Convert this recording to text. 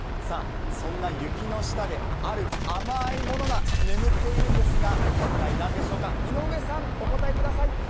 そんな雪の下で、ある甘いものが眠っているんですが一体何でしょうか井上さん、お答えください。